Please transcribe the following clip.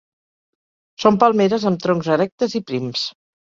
Són palmeres amb troncs erectes i prims.